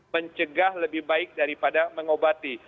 mencegah lebih baik daripada mengobati